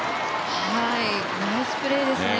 ナイスプレーですね。